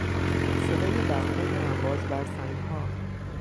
صدای برخورد امواج بر سنگها